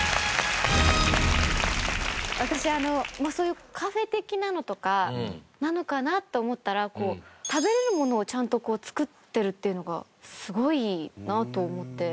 私そういうカフェ的なのとかなのかなと思ったら食べられるものをちゃんと作ってるっていうのがすごいなと思って。